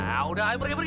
nah udah ayo pergi pergi